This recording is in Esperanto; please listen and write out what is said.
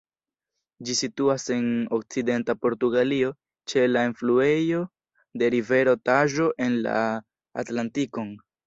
Ĝi situas en okcidenta Portugalio ĉe la enfluejo de rivero Taĵo en la Atlantikon.